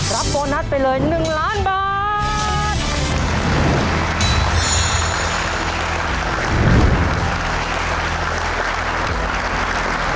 โบนัสไปเลย๑ล้านบาท